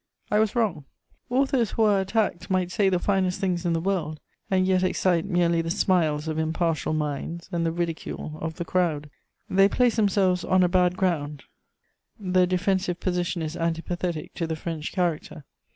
I was wrong. Authors who are attacked might say the finest things in the world, and yet excite merely the smiles of impartial minds and the ridicule of the crowd. They place themselves on a bad ground: the defensive position is antipathetic to the French character.